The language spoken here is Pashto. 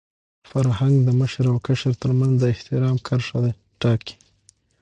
فرهنګ د مشر او کشر تر منځ د احترام کرښه ټاکي.